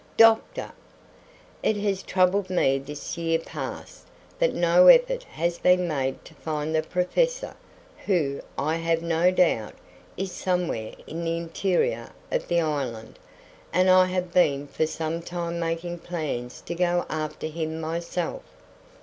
"Doctor!" "It has troubled me this year past that no effort has been made to find the professor, who, I have no doubt, is somewhere in the interior of the island, and I have been for some time making plans to go after him myself."